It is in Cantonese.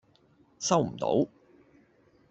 收唔到